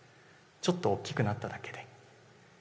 ちょっと大きくなっただけで。